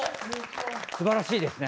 すばらしいですね。